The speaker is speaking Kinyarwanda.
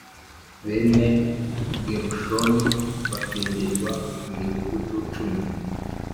bene Gerushoni bafindirwa imidugudu cumi